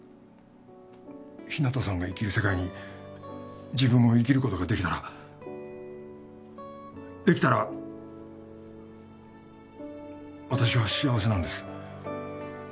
日向さんが生きる世界に自分も生きることができたらできたら私は幸せなんです